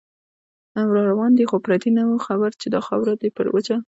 راروان دی خو پردې نو خبر نه دی، چې دا خاوره ده پر وچه